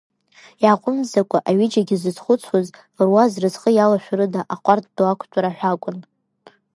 Иааҟәымҵӡакәа аҩыџьегьы зызхәыцуаз, руа зразҟы иалашәарыда аҟәардә ду ақәтәара ҳәа акәын.